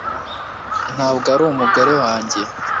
ntabwo ari umugore wanjye